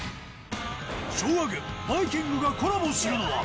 昭和軍、バイきんぐがコラボするのは。